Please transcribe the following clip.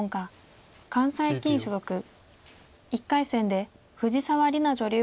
１回戦で藤沢里菜女流